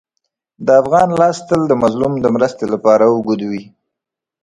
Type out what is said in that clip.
د افغان لاس تل د مظلوم د مرستې لپاره اوږد وي.